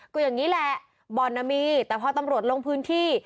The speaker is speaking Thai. ก็อย่างนี้แหละบ่อนน่ะมีแต่พอตำรวจลงพื้นที่